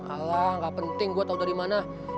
alah gak penting gua tau dari mana